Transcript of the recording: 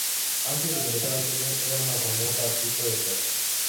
Antes de ingresar al cine era una famosa artista de teatro.